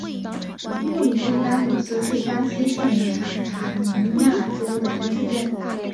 库里蒂巴努斯是巴西圣卡塔琳娜州的一个市镇。